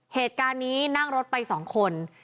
เหตุการณ์นี้นั่งรถไป๒คน